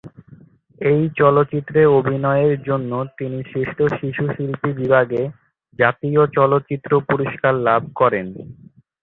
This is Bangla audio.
এই চলচ্চিত্রে অভিনয়ের জন্য তিনি শ্রেষ্ঠ শিশু শিল্পী বিভাগে জাতীয় চলচ্চিত্র পুরস্কার লাভ করেন।